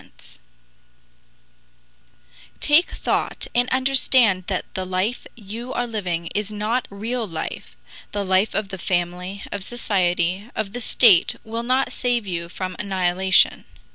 Take thought and understand that the life you are living is not real life the life of the family, of society, of the state will not save you from annihilation.